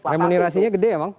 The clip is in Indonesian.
remunerasinya gede emang